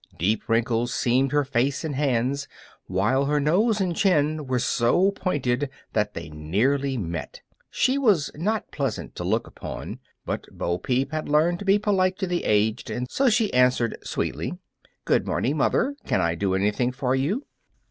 Deep wrinkles seamed her face and hands, while her nose and chin were so pointed that they nearly met. She was not pleasant to look upon, but Bo Peep had learned to be polite to the aged, so she answered, sweetly, "Good morning, mother. Can I do anything for you?"